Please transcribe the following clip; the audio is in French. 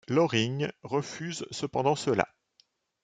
Loring refuse cependant cela.